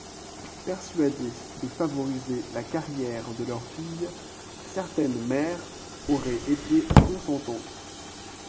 Persuadées de favoriser la carrière de leurs filles, certaines mères auraient été consentantes.